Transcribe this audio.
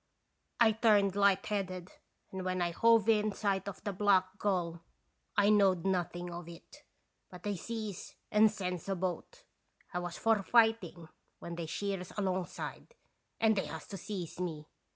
I turned light headed, and when I hove in sight of the Black Gull Ijknowed nothing of it; but they sees and sends a boat. 1 was for fighting when they sheers alongside, and they has to seize me.